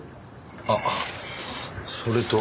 あっそれと。